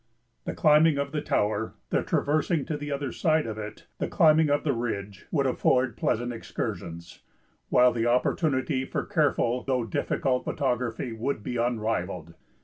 The climbing of the tower, the traversing to the other side of it, the climbing of the ridge, would afford pleasant excursions, while the opportunity for careful though difficult photography would be unrivalled.